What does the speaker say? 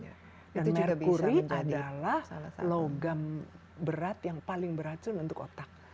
dan merkuri adalah logam berat yang paling beracun untuk otak